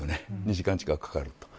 ２時間近くかかると。